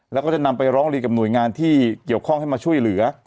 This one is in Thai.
แล้วก็จะนำไปร้องเรียนกับหน่วยงานที่เกี่ยวข้องให้มาช่วยเหลือ